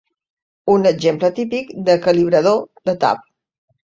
Un exemple típic de calibrador de tap